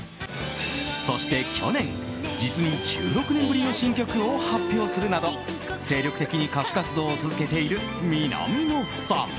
そして去年、実に１６年ぶりの新曲を発表するなど精力的に歌手活動を続けている南野さん。